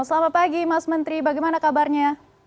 selamat pagi mas menteri bagaimana kabarnya